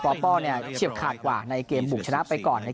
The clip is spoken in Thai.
ปป้อป้อเนี่ยเชียบขาดกว่าในเกมบุคชนะไปก่อนใน